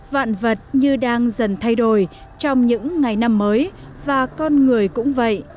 vạn vật như đang dần thay đổi trong những ngày năm mới và con người cũng vậy